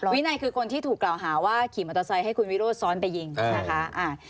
วินัยคือคนที่ถูกกล่าวหาว่าขี่มอเตอร์ไซค์ให้คุณวิโรธซ้อนไปยิงนะคะ